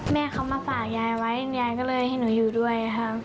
แม่เขามาฝากยายไว้ยายก็เลยให้หนูอยู่ด้วยครับ